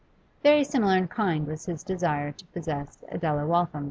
Very similar in kind was his desire to possess Adela Waltham.